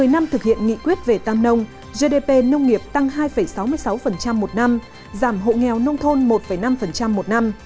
một mươi năm thực hiện nghị quyết về tam nông gdp nông nghiệp tăng hai sáu mươi sáu một năm giảm hộ nghèo nông thôn một năm một năm